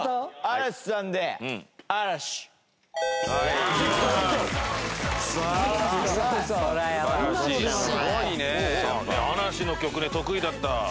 嵐の曲で得意だったね